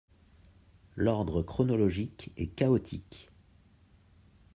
L'ordre chronologique est chaotique.